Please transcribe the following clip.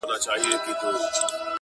پسرلي په شپه کي راسي لکه خوب هسي تیریږي٫